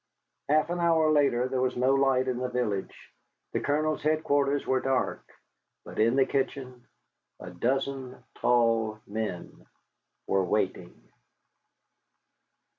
Half an hour later there was no light in the village. The Colonel's headquarters were dark, but in the kitchen a dozen tall men were waiting.